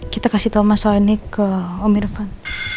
kita kasih tau masalah ini ke om irfan